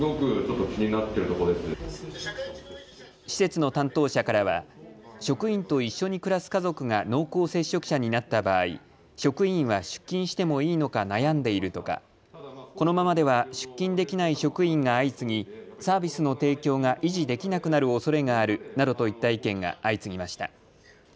施設の担当者からは職員と一緒に暮らす家族が濃厚接触者になった場合、職員は出勤してもいいのか悩んでいるとかこのままでは出勤できない職員が相次ぎサービスの提供が維持できなくなるおそれがあるなどといった意見が相次ぎました。